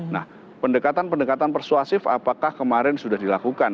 nah pendekatan pendekatan persuasif apakah kemarin sudah dilakukan